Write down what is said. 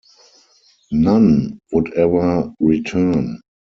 None would ever return.